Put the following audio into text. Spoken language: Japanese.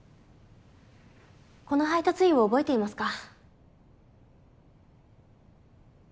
この配達員を覚えていますか？